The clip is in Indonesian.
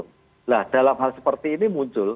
nah dalam hal seperti ini muncul